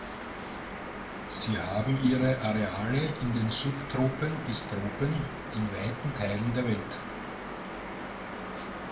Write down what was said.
Sie haben ihre Areale in den Subtropen bis Tropen in weiten Teilen der Welt.